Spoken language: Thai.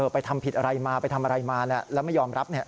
ไปทำผิดอะไรมาไปทำอะไรมาแล้วไม่ยอมรับ